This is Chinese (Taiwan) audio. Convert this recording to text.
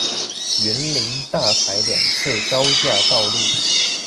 員林大排兩側高架道路